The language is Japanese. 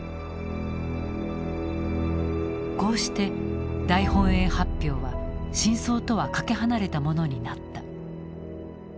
こうして大本営発表は真相とはかけ離れたものになった。